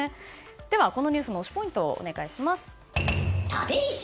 このニュースの推しポイントをお願いします。